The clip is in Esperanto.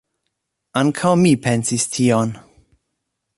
Ankaŭ mi pensis tion.